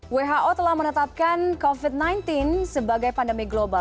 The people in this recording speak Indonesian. who telah menetapkan covid sembilan belas sebagai pandemi global